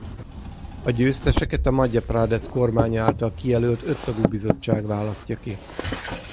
A győzteseket a Madhja Prades kormánya által kijelölt öttagú bizottság választja ki.